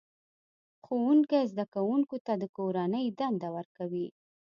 ښوونکی زده کوونکو ته کورنۍ دنده ورکوي